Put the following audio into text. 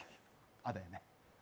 「あ」だよね？